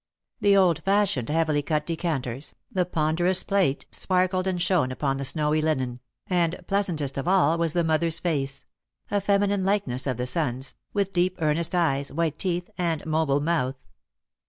The old fashioned heavily cut decanters, the ponderous plate, sparkled and shone upon the snowy linen ; and pleasantest of all was the mother's face — a feminine likeness of the son's — with deep earnest eyes, white teeth, and mobile mouth.